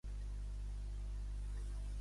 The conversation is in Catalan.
Què hi ha al carrer Quito cantonada Empordà?